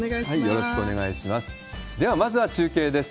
よろしくお願いします。